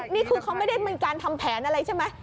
นี่คือเขาไม่ได้มีการทำแผนอะไรใช่ไหม